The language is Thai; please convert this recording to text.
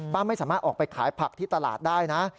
ไม่สามารถออกไปขายผักที่ตลาดได้นะ